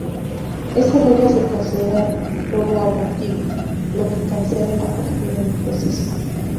Esa regla se considera robo abortivo, lo que cancela la partida en el proceso.